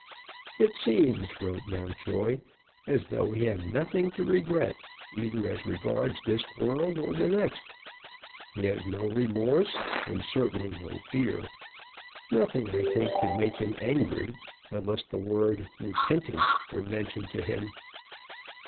It seems," wrote Mountjoy, "as though he had nothing to regret, either as regards this world or the next. He has no remorse, and certainly no fear. Nothing, I think, could make him angry, unless the word repentance were mentioned to him.